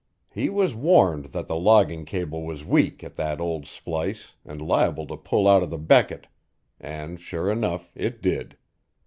He was warned that the logging cable was weak at that old splice and liable to pull out of the becket and sure enough it did.